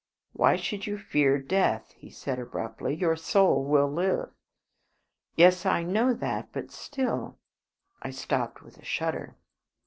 "Why should you fear death?" he said, abruptly; "your soul will live." "Yes, I know that, but still " I stopped with a shudder.